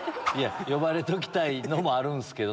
呼ばれときたいのもあるんすけど。